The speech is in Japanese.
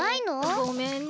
ごめんね。